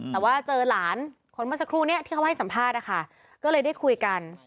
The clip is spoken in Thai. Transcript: แต่ว่าเจอหลานคนเมื่อสักครู่นี้ที่เขาให้สัมภาษณ์นะคะก็เลยได้คุยกัน